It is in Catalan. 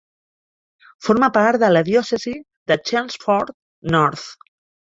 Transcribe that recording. Forma part de la diòcesi de Chelmsford North.